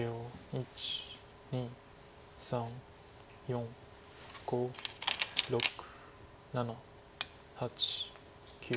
１２３４５６７８９。